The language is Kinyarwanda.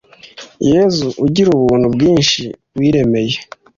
yezu ugira ubuntu bwinshi, wiremeye